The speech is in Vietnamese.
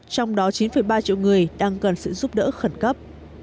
trong đó chín ba triệu người đang cần sự giúp đỡ khẩn cấp